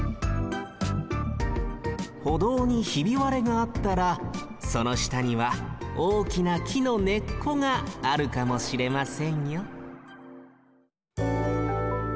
歩道にひびわれがあったらそのしたにはおおきなきのねっこがあるかもしれませんよ